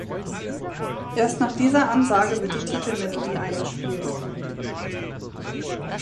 Erst nach dieser Ansage wird die Titelmelodie eingespielt.